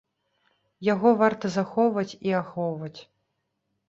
Яго варта захоўваць і ахоўваць.